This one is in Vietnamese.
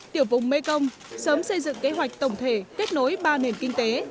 tiểu vùng mekong sớm xây dựng kế hoạch tổng thể kết nối ba nền kinh tế